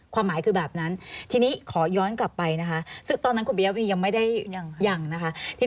ความหมายคือแบบนั้นทีนี้ขอย้อนกลับไปนะคะซึ่งตอนนั้นคุณปียวียังไม่ได้ยังนะคะ